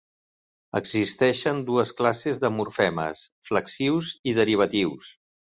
Existeixen dues classes de morfemes: flexius i derivatius.